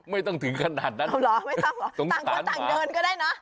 ไม่ต้องถึงขนาดนั้นเอาเหรอไม่ต้องเหรอต่างคนต่างเดินก็ได้เนอะ